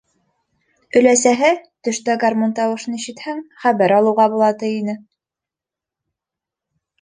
Өләсәһе, төштә гармун тауышын ишетһәң, хәбәр алыуға була, ти ине.